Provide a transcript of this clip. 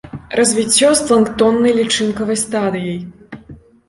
Развіццё з планктоннай лічынкавай стадыяй.